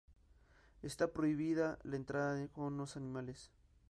Está prohibida la entrada con animales.